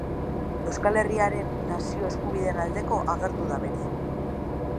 Euskal Herriaren nazio eskubideen aldeko agertu da beti.